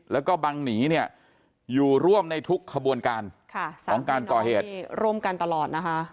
แล้วก็บังหนีเนี่ยอยู่ร่วมในทุกขบวนการของการก่อเหตุร่วมกันตลอดนะคะ